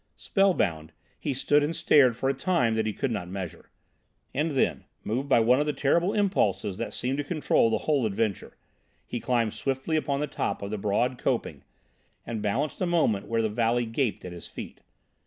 Spellbound, he stood and stared for a time that he could not measure. And then, moved by one of the terrible impulses that seemed to control the whole adventure, he climbed swiftly upon the top of the broad coping, and balanced a moment where the valley gaped at his feet.